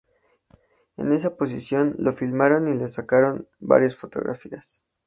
En esa posición lo filmaron y le sacaron varias fotografías.